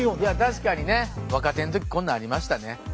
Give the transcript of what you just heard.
確かにね。若手の時こんなんありましたね。